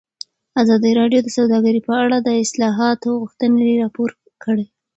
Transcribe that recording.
ازادي راډیو د سوداګري په اړه د اصلاحاتو غوښتنې راپور کړې.